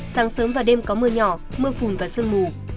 sáng sớm và đêm có mưa nhỏ mưa phùn và sương mù